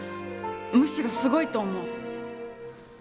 むしろすごいと思う。